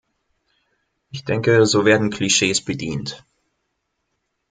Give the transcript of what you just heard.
Ich denke, so werden Klischees bedient.